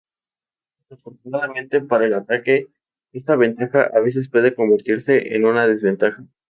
Desafortunadamente para el ataque, esta ventaja a veces puede convertirse en una desventaja.